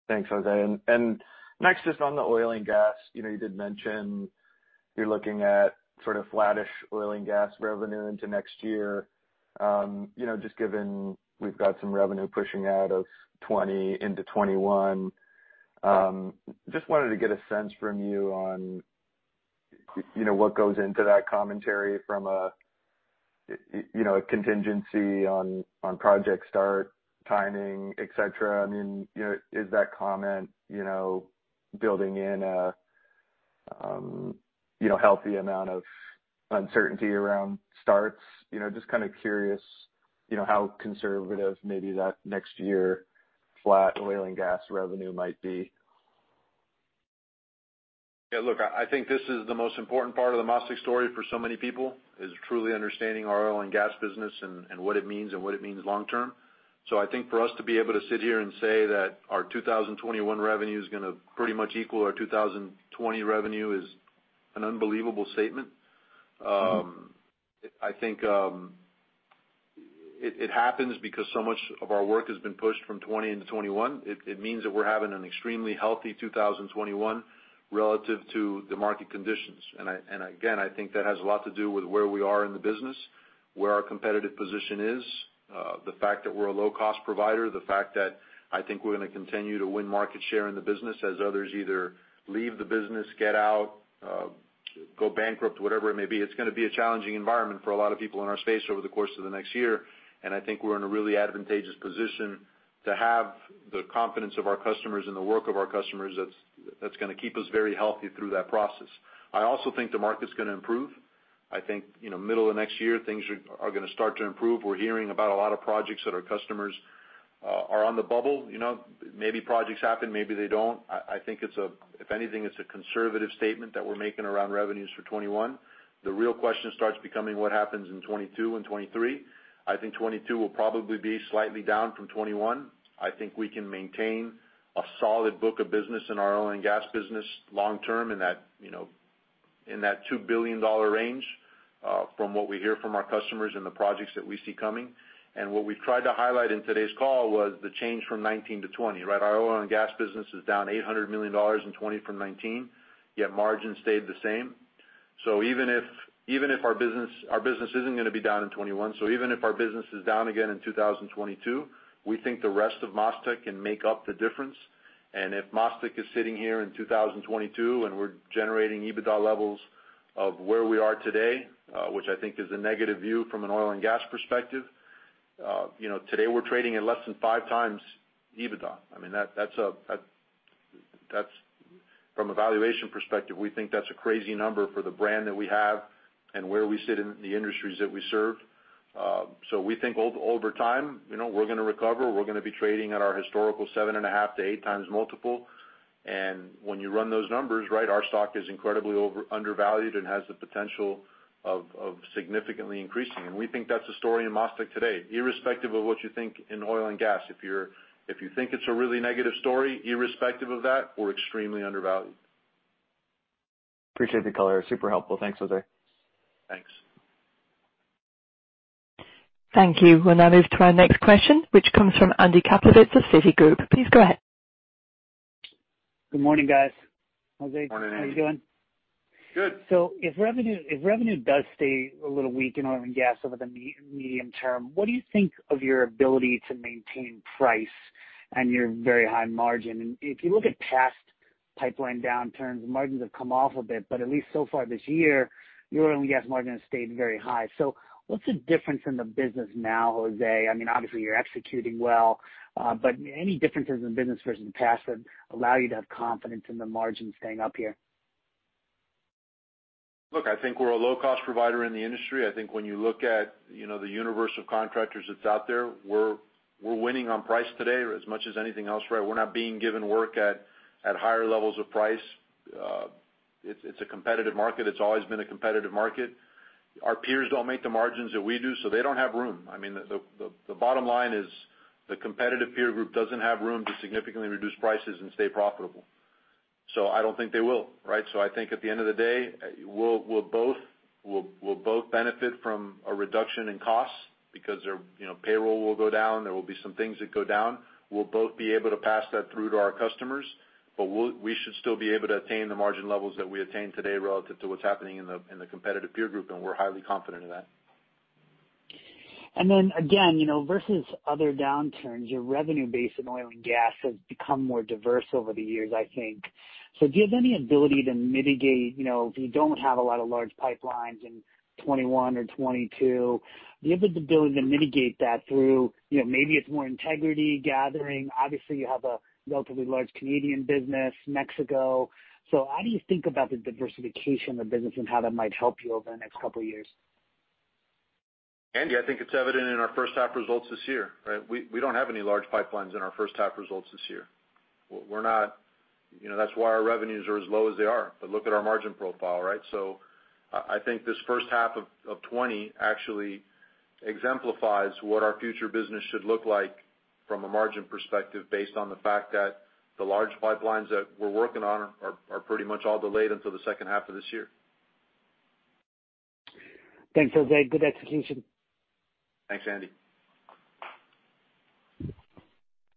Thanks, José. Next, just on the oil and gas, you know, you did mention you're looking at sort of flattish oil and gas revenue into next year. You know, just given we've got some revenue pushing out of 2020 into 2021, just wanted to get a sense from you on, you know, what goes into that commentary from a, you know, a contingency on project start, timing, et cetera. I mean, you know, is that comment, you know, building in a, you know, healthy amount of uncertainty around starts? You know, just kind of curious, you know, how conservative maybe that next year flat oil and gas revenue might be. Yeah, look, I think this is the most important part of the MasTec story for so many people, is truly understanding our oil and gas business and what it means and what it means long term. I think for us to be able to sit here and say that our 2021 revenue is gonna pretty much equal our 2020 revenue is an unbelievable statement. I think it happens because so much of our work has been pushed from 2020 into 2021. It means that we're having an extremely healthy 2021 relative to the market conditions. I think that has a lot to do with where we are in the business, where our competitive position is, the fact that we're a low-cost provider, the fact that I think we're gonna continue to win market share in the business as others either leave the business, get out, go bankrupt, whatever it may be. It's gonna be a challenging environment for a lot of people in our space over the course of the next year, I think we're in a really advantageous position to have the confidence of our customers and the work of our customers that's gonna keep us very healthy through that process. I also think the market's gonna improve. I think, you know, middle of next year, things are gonna start to improve. We're hearing about a lot of projects that our customers are on the bubble. You know, maybe projects happen, maybe they don't. I think it's a, if anything, it's a conservative statement that we're making around revenues for 2021. The real question starts becoming: What happens in 2022 and 2023? I think 2022 will probably be slightly down from 2021. I think we can maintain a solid book of business in our oil and gas business long term, in that, you know, in that $2 billion range, from what we hear from our customers and the projects that we see coming. What we've tried to highlight in today's call was the change from 2019 to 2020, right? Our oil and gas business is down $800 million in 2020 from 2019, yet margin stayed the same. Even if our business isn't gonna be down in 2021, even if our business is down again in 2022, we think the rest of MasTec can make up the difference. If MasTec is sitting here in 2022, and we're generating EBITDA levels of where we are today, which I think is a negative view from an oil and gas perspective, you know, today we're trading at less than 5x EBITDA. I mean, that's from a valuation perspective, we think that's a crazy number for the brand that we have and where we sit in the industries that we serve. We think over time, you know, we're gonna recover. We're gonna be trading at our historical 7.5x-8x multiple. When you run those numbers, right, our stock is incredibly undervalued and has the potential of significantly increasing. We think that's the story in MasTec today. Irrespective of what you think in oil and gas, if you think it's a really negative story, irrespective of that, we're extremely undervalued. Appreciate the color. Super helpful. Thanks, José. Thanks. Thank you. We'll now move to our next question, which comes from Andy Kaplowitz of Citigroup. Please go ahead. Good morning, guys. José- Morning, Andy. How you doing? Good. If revenue does stay a little weak in oil and gas over the medium term, what do you think of your ability to maintain price and your very high margin? If you look at past pipeline downturns, margins have come off a bit, but at least so far this year, your oil and gas margin has stayed very high. What's the difference in the business now, Jose? I mean, obviously, you're executing well, but any differences in business versus the past that allow you to have confidence in the margin staying up here? Look, I think we're a low-cost provider in the industry. I think when you look at, you know, the universe of contractors that's out there, we're winning on price today as much as anything else, right? We're not being given work at higher levels of price. It's a competitive market. It's always been a competitive market. Our peers don't make the margins that we do, so they don't have room. I mean, the bottom line is, the competitive peer group doesn't have room to significantly reduce prices and stay profitable. I don't think they will, right? I think at the end of the day, we'll both benefit from a reduction in costs because their, you know, payroll will go down, there will be some things that go down. We'll both be able to pass that through to our customers, but we should still be able to attain the margin levels that we attain today relative to what's happening in the competitive peer group, and we're highly confident in that. Again, you know, versus other downturns, your revenue base in oil and gas has become more diverse over the years, I think. Do you have any ability to mitigate, you know, if you don't have a lot of large pipelines in 2021 or 2022, do you have the ability to mitigate that through, you know, maybe it's more integrity gathering? Obviously, you have a relatively large Canadian business, Mexico. How do you think about the diversification of the business and how that might help you over the next couple of years? Andy, I think it's evident in our first half results this year, right? We don't have any large pipelines in our first half results this year. You know, that's why our revenues are as low as they are. Look at our margin profile, right? I think this first half of 2020 actually exemplifies what our future business should look like from a margin perspective, based on the fact that the large pipelines that we're working on are pretty much all delayed until the second half of this year. Thanks, José. Good execution. Thanks, Andy.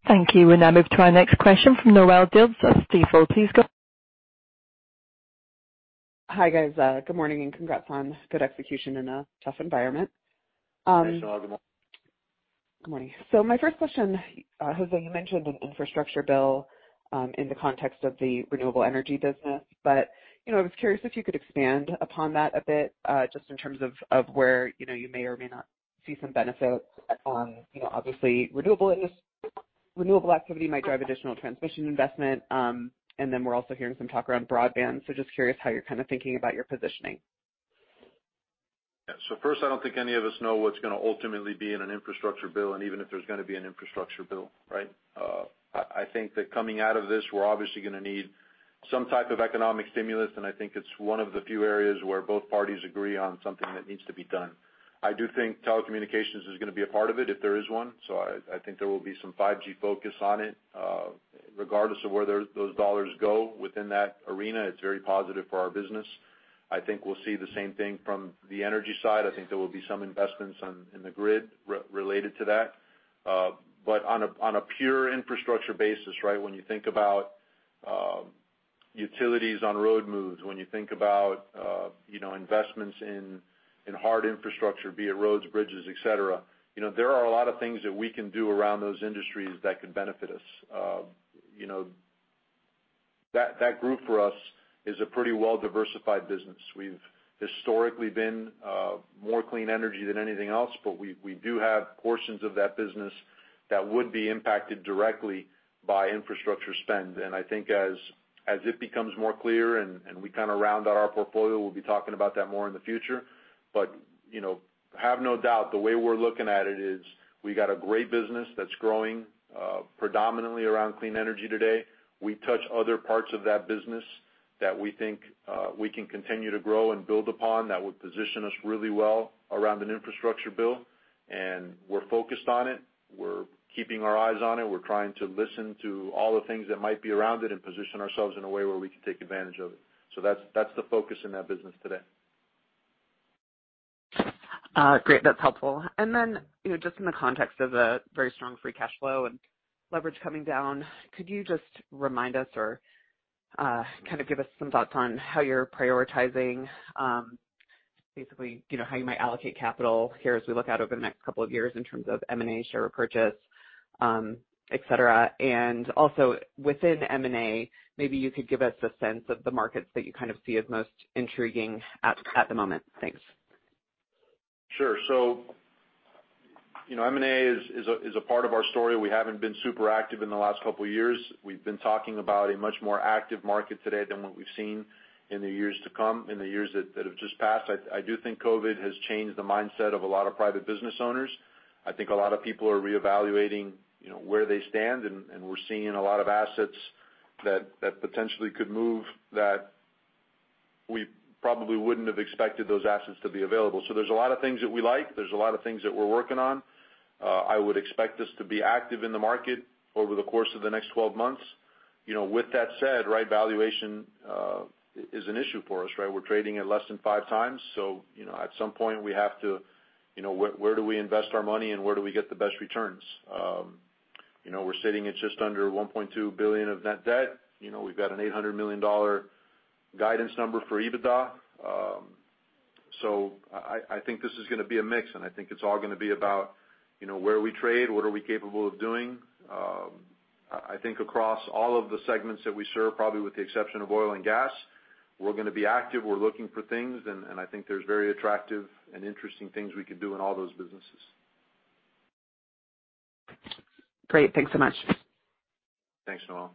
Thank you. We'll now move to our next question from Noelle Dilts of Stifel. Please go. Hi, guys. Good morning. Congrats on good execution in a tough environment. Thanks, Noelle. Good morning. Good morning. My first question, José, you mentioned the infrastructure bill in the context of the renewable energy business. You know, I was curious if you could expand upon that a bit just in terms of where, you know, you may or may not see some benefits on, you know, obviously, renewable activity might drive additional transmission investment, and then we're also hearing some talk around broadband. Just curious how you're kind of thinking about your positioning. Yeah. First, I don't think any of us know what's gonna ultimately be in an infrastructure bill, and even if there's gonna be an infrastructure bill, right? I think that coming out of this, we're obviously gonna need some type of economic stimulus, and I think it's one of the few areas where both parties agree on something that needs to be done. I do think telecommunications is gonna be a part of it, if there is one, so I think there will be some 5G focus on it. Regardless of where those dollars go within that arena, it's very positive for our business. I think we'll see the same thing from the energy side. I think there will be some investments in the grid related to that. On a, on a pure infrastructure basis, right, when you think about utilities on road moves, when you think about, you know, investments in hard infrastructure, be it roads, bridges, et cetera, you know, there are a lot of things that we can do around those industries that could benefit us. You know, that group for us is a pretty well-diversified business. We've historically been more clean energy than anything else, but we do have portions of that business that would be impacted directly by infrastructure spend. I think as it becomes more clear and we kind of round out our portfolio, we'll be talking about that more in the future. You know, have no doubt, the way we're looking at it is we got a great business that's growing, predominantly around clean energy today. We touch other parts of that business that we think, we can continue to grow and build upon that would position us really well around an infrastructure bill. We're focused on it. We're keeping our eyes on it. We're trying to listen to all the things that might be around it and position ourselves in a way where we can take advantage of it. That's, that's the focus in that business today. Great, that's helpful. Then, you know, just in the context of a very strong free cash flow and leverage coming down, could you just remind us or kind of give us some thoughts on how you're prioritizing, basically, you know, how you might allocate capital here as we look out over the next couple of years in terms of M&A share repurchase, et cetera? Also, within M&A, maybe you could give us a sense of the markets that you kind of see as most intriguing at the moment. Thanks. You know, M&A is a part of our story. We haven't been super active in the last couple of years. We've been talking about a much more active market today than what we've seen in the years to come, in the years that have just passed. I do think COVID has changed the mindset of a lot of private business owners. I think a lot of people are reevaluating, you know, where they stand, and we're seeing a lot of assets that potentially could move that we probably wouldn't have expected those assets to be available. There's a lot of things that we like. There's a lot of things that we're working on. I would expect us to be active in the market over the course of the next 12 months. You know, with that said, right, valuation is an issue for us, right? We're trading at less than 5x, you know, at some point, we have to, you know, where do we invest our money and where do we get the best returns? You know, we're sitting at just under $1.2 billion of net debt. You know, we've got an $800 million guidance number for EBITDA. I think this is gonna be a mix, and I think it's all gonna be about, you know, where we trade, what are we capable of doing. I think across all of the segments that we serve, probably with the exception of oil and gas, we're gonna be active, we're looking for things, and I think there's very attractive and interesting things we can do in all those businesses. Great. Thanks so much. Thanks, Noel.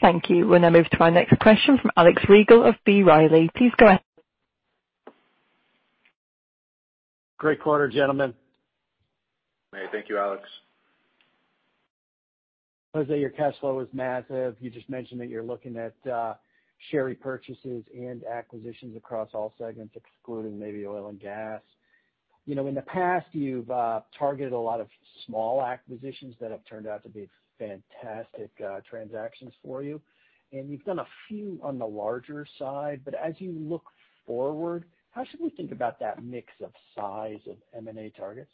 Thank you. We'll now move to our next question from Alex Rygiel of B. Riley. Please go ahead. Great quarter, gentlemen. Hey, thank you, Alex. José, your cash flow is massive. You just mentioned that you're looking at share repurchases and acquisitions across all segments, excluding maybe oil and gas. You know, in the past, you've targeted a lot of small acquisitions that have turned out to be fantastic transactions for you, and you've done a few on the larger side. As you look forward, how should we think about that mix of size of M&A targets?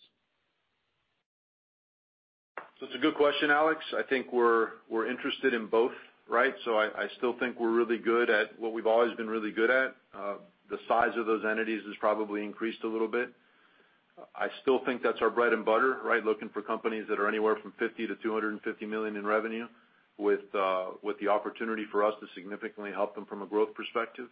It's a good question, Alex. I think we're interested in both, right? I still think we're really good at what we've always been really good at. The size of those entities has probably increased a little bit. I still think that's our bread and butter, right? Looking for companies that are anywhere from $50 million-$250 million in revenue with the opportunity for us to significantly help them from a growth perspective.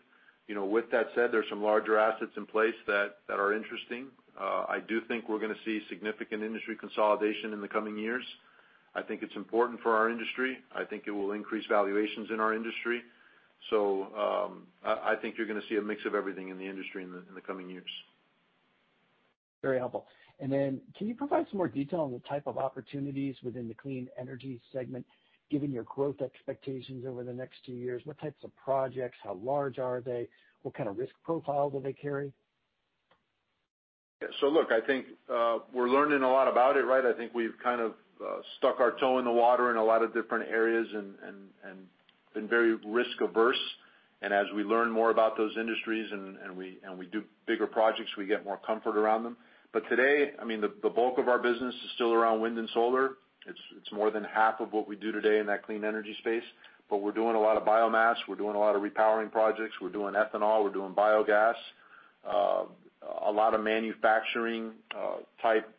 You know, with that said, there's some larger assets in place that are interesting. I do think we're gonna see significant industry consolidation in the coming years. I think it's important for our industry. I think it will increase valuations in our industry. I think you're gonna see a mix of everything in the industry in the coming years. Very helpful. Can you provide some more detail on the type of opportunities within the clean energy segment, given your growth expectations over the next two years? What types of projects, how large are they? What kind of risk profile do they carry? Look, I think, we're learning a lot about it, right? I think we've kind of, stuck our toe in the water in a lot of different areas and, been very risk averse. As we learn more about those industries and, we do bigger projects, we get more comfort around them. Today, I mean, the bulk of our business is still around wind and solar. It's more than half of what we do today in that clean energy space, but we're doing a lot of biomass, we're doing a lot of repowering projects, we're doing ethanol, we're doing biogas, a lot of manufacturing type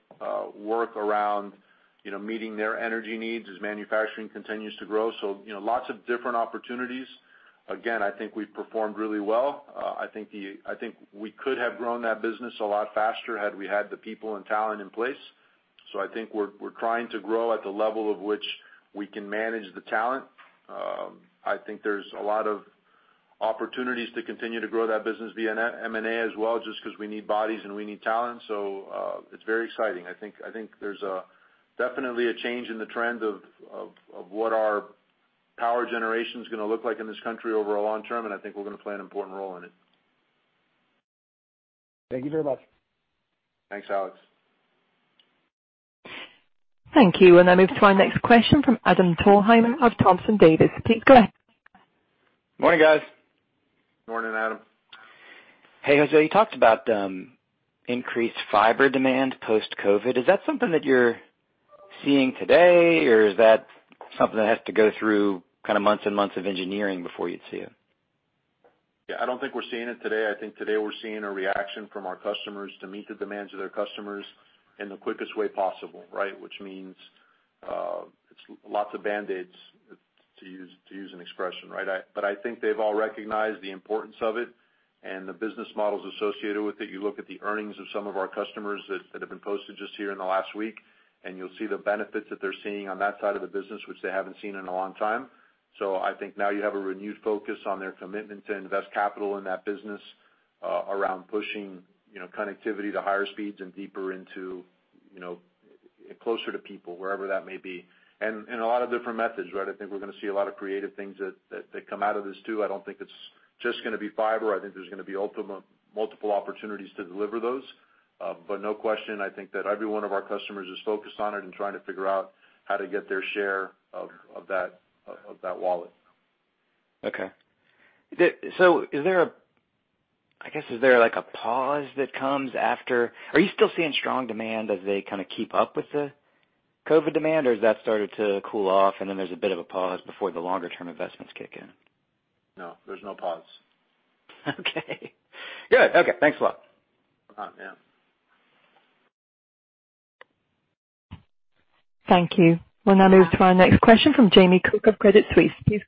work around, you know, meeting their energy needs as manufacturing continues to grow. You know, lots of different opportunities. Again, I think we've performed really well. I think we could have grown that business a lot faster had we had the people and talent in place. I think we're trying to grow at the level of which we can manage the talent. I think there's a lot of opportunities to continue to grow that business via M&A as well, just 'cause we need bodies and we need talent. It's very exciting. I think there's definitely a change in the trend of what our power generation is gonna look like in this country over a long term, and I think we're gonna play an important role in it. Thank you very much. Thanks, Alex. Thank you. We'll now move to our next question from Adam Thalhimer of Thompson Davis. Please go ahead. Morning, guys. Morning, Adam. Hey, José, you talked about increased fiber demand post-COVID. Is that something that you're seeing today, or is that something that has to go through kind of months and months of engineering before you'd see it? I don't think we're seeing it today. I think today we're seeing a reaction from our customers to meet the demands of their customers in the quickest way possible, right. Which means it's lots of Band-Aid, to use an expression, right. I think they've all recognized the importance of it and the business models associated with it. You look at the earnings of some of our customers that have been posted just here in the last week, and you'll see the benefits that they're seeing on that side of the business, which they haven't seen in a long time. I think now you have a renewed focus on their commitment to invest capital in that business around pushing, you know, connectivity to higher speeds and deeper into, you know, closer to people, wherever that may be. A lot of different methods, right? I think we're gonna see a lot of creative things that come out of this, too. I don't think it's just gonna be fiber. I think there's gonna be multiple opportunities to deliver those. No question, I think that every one of our customers is focused on it and trying to figure out how to get their share of that wallet. Okay. Is there a, I guess, is there like a pause that comes after Are you still seeing strong demand as they kind of keep up with the COVID demand, or has that started to cool off and then there's a bit of a pause before the longer-term investments kick in? No, there's no pause. Okay. Good. Okay. Thanks a lot. Yeah. Thank you. We'll now move to our next question from Jamie Cook of Credit Suisse, please.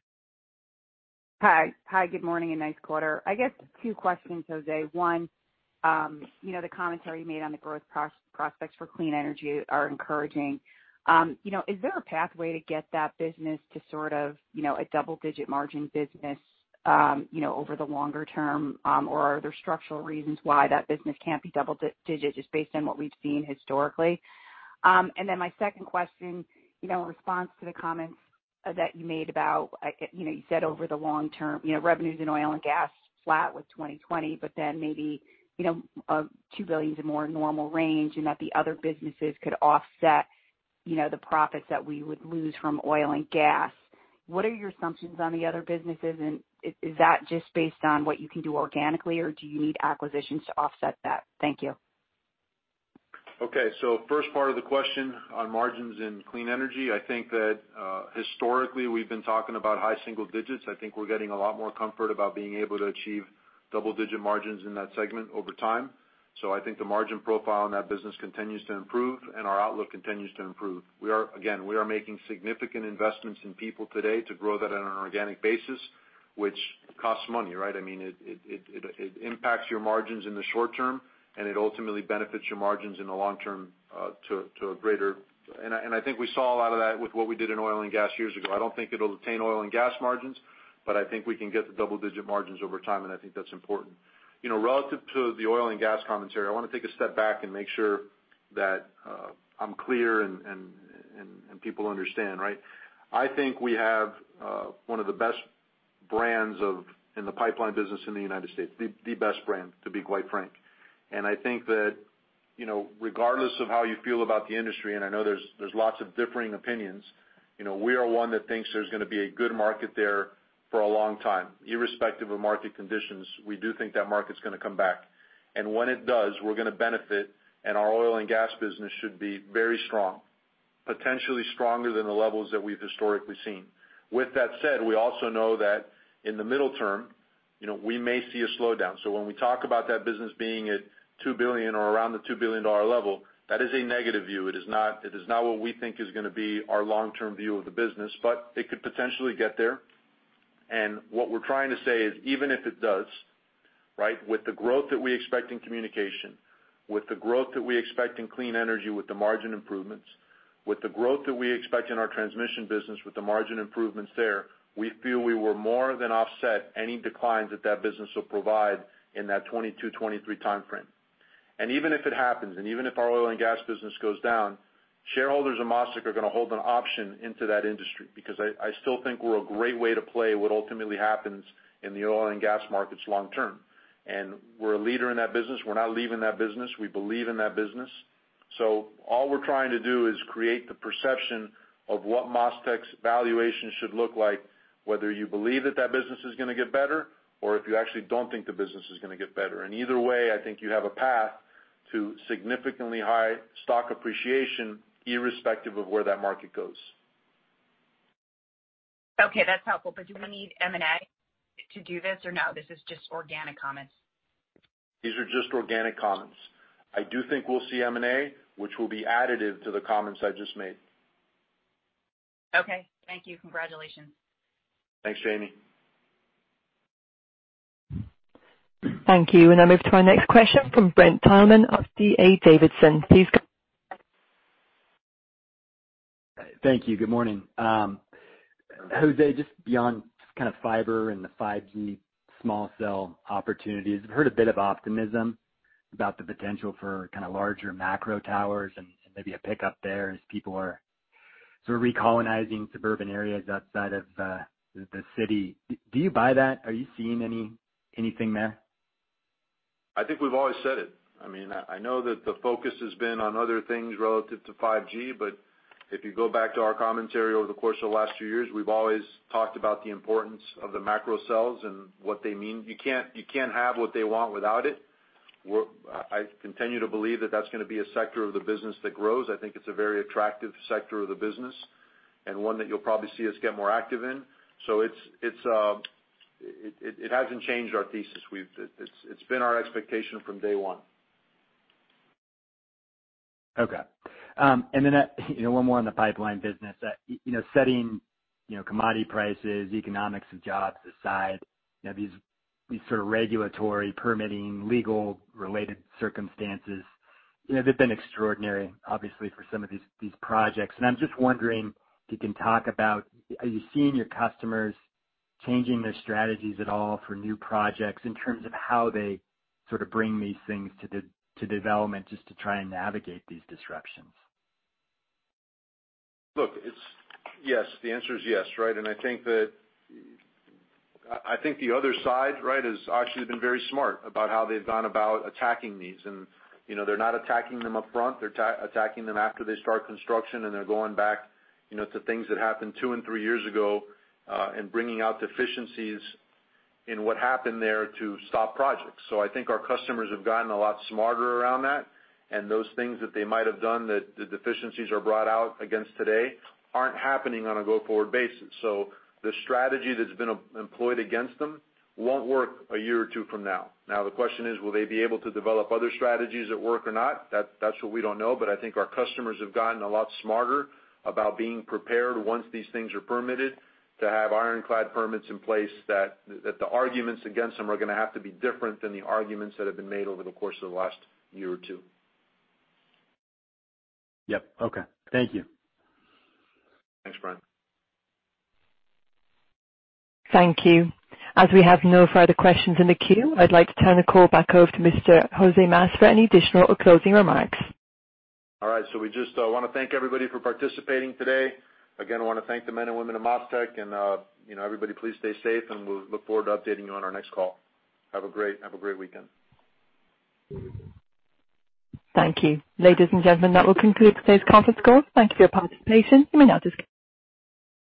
Hi, good morning, nice quarter. I guess two questions, José. One, you know, the commentary you made on the growth prospects for clean energy are encouraging. You know, is there a pathway to get that business to sort of, you know, a double-digit margin business, you know, over the longer term, or are there structural reasons why that business can't be double-digit, just based on what we've seen historically? My second question, you know, in response to the comments that you made about, like, you know, you said over the long term, you know, revenues in oil and gas flat with 2020, but maybe, you know, $2 billion is a more normal range and that the other businesses could offset, you know, the profits that we would lose from oil and gas. What are your assumptions on the other businesses, and is that just based on what you can do organically, or do you need acquisitions to offset that? Thank you. Okay. First part of the question on margins in clean energy, I think that historically, we've been talking about high single digits. I think we're getting a lot more comfort about being able to achieve double-digit margins in that segment over time. I think the margin profile in that business continues to improve, and our outlook continues to improve. We are, again, we are making significant investments in people today to grow that on an organic basis, which costs money, right? I mean, it impacts your margins in the short term, and it ultimately benefits your margins in the long term, to a greater... I think we saw a lot of that with what we did in oil and gas years ago. I don't think it'll attain oil and gas margins, but I think we can get the double-digit margins over time. I think that's important. You know, relative to the oil and gas commentary, I wanna take a step back and make sure that I'm clear and people understand, right? I think we have one of the best brands of, in the pipeline business in the United States, the best brand, to be quite frank. I think that, you know, regardless of how you feel about the industry, and I know there's lots of differing opinions, you know, we are one that thinks there's gonna be a good market there for a long time. Irrespective of market conditions, we do think that market's gonna come back. When it does, we're gonna benefit, and our oil and gas business should be very strong, potentially stronger than the levels that we've historically seen. With that said, we also know that in the middle term, you know, we may see a slowdown. When we talk about that business being at $2 billion or around the $2 billion dollar level, that is a negative view. It is not what we think is gonna be our long-term view of the business, but it could potentially get there. What we're trying to say is, even if it does, right, with the growth that we expect in communication, with the growth that we expect in clean energy, with the margin improvements, with the growth that we expect in our transmission business, with the margin improvements there, we feel we were more than offset any declines that that business will provide in that 2022-2023 timeframe. Even if it happens, and even if our oil and gas business goes down, shareholders of MasTec are gonna hold an option into that industry because I still think we're a great way to play what ultimately happens in the oil and gas markets long term. We're a leader in that business. We're not leaving that business. We believe in that business. All we're trying to do is create the perception of what MasTec's valuation should look like, whether you believe that that business is gonna get better or if you actually don't think the business is gonna get better. Either way, I think you have a path to significantly high stock appreciation, irrespective of where that market goes. Okay, that's helpful. Do we need M&A to do this or no, this is just organic comments? These are just organic comments. I do think we'll see M&A, which will be additive to the comments I just made. Okay. Thank you. Congratulations. Thanks, Jamie. Thank you. I'll move to our next question from Brent Thielman of D.A. Davidson. Please. Thank you. Good morning. José, just beyond kinda fiber and the 5G small cell opportunities, I've heard a bit of optimism about the potential for kinda larger macro towers and maybe a pickup there as people are sort of recolonizing suburban areas outside of the city. Do you buy that? Are you seeing anything there? I think we've always said it. I mean, I know that the focus has been on other things relative to 5G, but if you go back to our commentary over the course of the last few years, we've always talked about the importance of the macrocells and what they mean. You can't have what they want without it. I continue to believe that that's gonna be a sector of the business that grows. I think it's a very attractive sector of the business and one that you'll probably see us get more active in. It's, it hasn't changed our thesis. It's been our expectation from day one. Okay. You know, one more on the pipeline business. You know, setting, you know, commodity prices, economics, and jobs aside, you know, these sort of regulatory, permitting, legal-related circumstances, you know, they've been extraordinary, obviously, for some of these projects. I'm just wondering if you can talk about, are you seeing your customers changing their strategies at all for new projects in terms of how they sort of bring these things to development just to try and navigate these disruptions? Look, Yes, the answer is yes, right? I think that, I think the other side, right, has actually been very smart about how they've gone about attacking these. You know, they're not attacking them upfront, they're attacking them after they start construction, and they're going back, you know, to things that happened two and three years ago, and bringing out deficiencies in what happened there to stop projects. I think our customers have gotten a lot smarter around that, and those things that they might have done that the deficiencies are brought out against today, aren't happening on a go-forward basis. The strategy that's been employed against them won't work a year or two from now. Now, the question is, will they be able to develop other strategies that work or not? That's what we don't know, but I think our customers have gotten a lot smarter about being prepared once these things are permitted, to have ironclad permits in place, that the arguments against them are gonna have to be different than the arguments that have been made over the course of the last year or two. Yep. Okay. Thank you. Thanks, Brent. Thank you. As we have no further questions in the queue, I'd like to turn the call back over to Mr. José Mas for any additional or closing remarks. All right. We just wanna thank everybody for participating today. Again, I wanna thank the men and women of MasTec and you know, everybody, please stay safe, and we'll look forward to updating you on our next call. Have a great weekend. Thank you. Ladies and gentlemen, that will conclude today's conference call. Thank you for your participation. You may now disconnect.